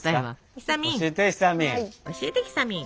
教えてひさみん。